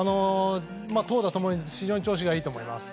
投打ともに非常に調子がいいと思います。